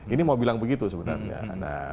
ini mau bilang begitu sebenarnya